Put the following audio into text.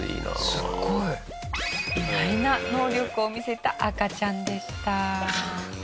意外な能力を見せた赤ちゃんでした。